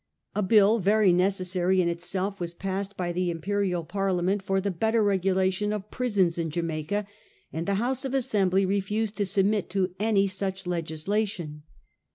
A bill, very necessary in itself, was passed by the Imperial Parliament for the better regulation of prisons in J arnaica, and the House of Assembly re fused to submit to any such legislation.